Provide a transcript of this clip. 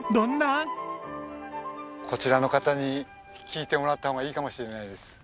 こちらの方に聞いてもらった方がいいかもしれないです。